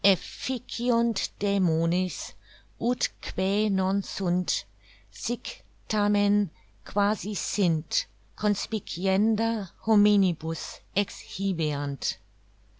_ _Efficiunt Dæmones, ut quæ non sunt, sic tamen, quasi sint, conspicienda hominibus exhibeant.